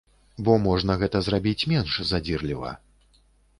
Бо можна гэта зрабіць менш задзірліва!